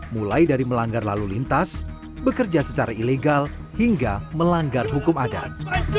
mulai dari melanggar lalu lintas bekerja secara ilegal hingga melanggar hukum adat